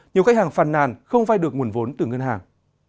nhiều khách hàng phàn nàn không vai được nguồn vốn từ ngân hàng